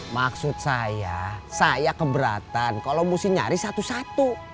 maksud saya saya keberatan kalau mesti nyari satu satu